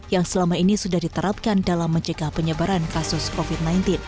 yang selama ini sudah diterapkan dalam mencegah penyebaran kasus covid sembilan belas